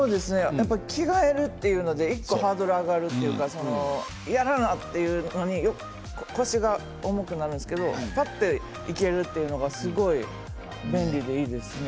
やっぱり着替えるというので１つハードルが上がるというかやらなくちゃというので腰が重くなってしまうんですけどぱっと行けるというのがすごく便利でいいですね。